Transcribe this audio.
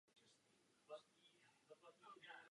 Příčná osa byla nápadem architekta Hrušky.